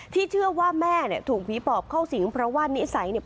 เชื่อว่าแม่เนี่ยถูกผีปอบเข้าสิงเพราะว่านิสัยเนี่ย